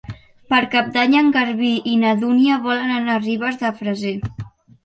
Per Cap d'Any en Garbí i na Dúnia volen anar a Ribes de Freser.